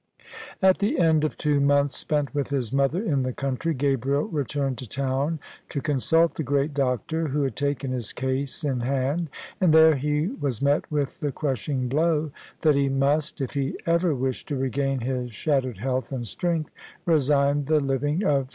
At the end of two months spent with his mother in the country, Gabriel returned to town to consult the great doctor who had taken his case in hand; and there he was met with the crushing blow that he must — if he ever wished to regain his shattered health and strength — resign the living of S.